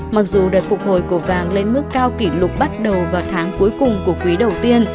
mặc dù đợt phục hồi của vàng lên mức cao kỷ lục bắt đầu vào tháng cuối cùng của quý đầu tiên